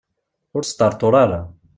Ur sṭerṭur ara.